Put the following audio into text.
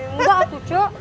enggak tuh cok